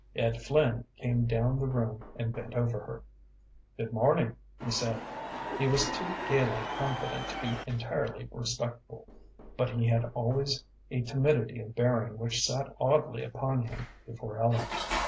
Ed Flynn came down the room and bent over her. "Good morning," he said. He was too gayly confident to be entirely respectful, but he had always a timidity of bearing which sat oddly upon him before Ellen.